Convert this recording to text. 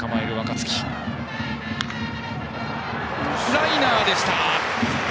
ライナーでした。